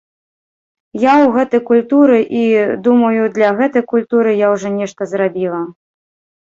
Я ў гэтай культуры, і, думаю, для гэтай культуры я ўжо нешта зрабіла.